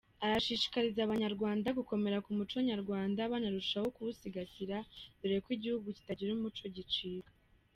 Arashishikariza Abanyarwanda gukomera ku muco nyarwanda banarushaho kuwusigasira dore ko igihugu kitagira umuco gicika.